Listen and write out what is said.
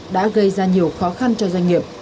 đã gây ra nhiều khó khăn cho doanh nghiệp